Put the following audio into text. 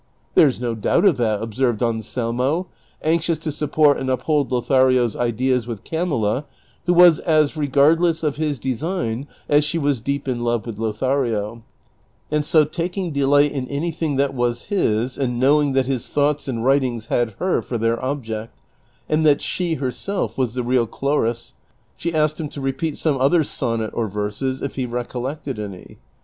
"There is no doubt of that," observed Anselmo, anxious to sup port and uphold Lothario's ideas with Camilla, who was as regardless of his design as she was deep in love with Lothario ; and so taking delight in anything that was his, and knowing that his thoughts and writings had her for their object, and that she herself was the real Chloris, she asked him to repeat some other sonnet or verses if he recollected any.